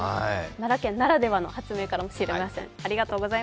奈良県ならではの発明かもしれません。